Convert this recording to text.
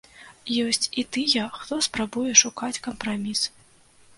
Ёсць і тыя, хто спрабуе шукаць кампраміс.